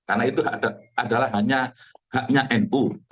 karena itu adalah hanya haknya nu